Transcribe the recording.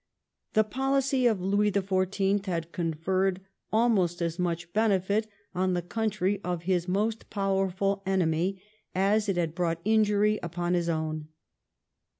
The policy of Louis the Fourteenth had conferred almost as much benefit on the country of his most powerful enemy as it had brought injury upon his own.